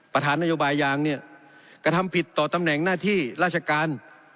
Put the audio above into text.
ประธานนโยบายยางเนี่ยกระทำผิดต่อตำแหน่งหน้าที่ราชการ